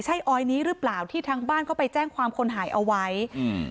ใช่ออยนี้หรือเปล่าที่ทางบ้านเขาไปแจ้งความคนหายเอาไว้อืม